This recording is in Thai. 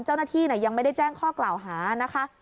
เจ้าหน้าที่ยังไม่ได้แจ้งข้อกล่าวหานะคะ